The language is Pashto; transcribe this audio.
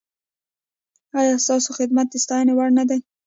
ایا ستاسو خدمت د ستاینې وړ نه دی؟